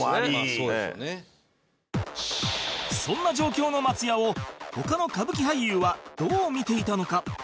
そんな状況の松也を他の歌舞伎俳優はどう見ていたのか？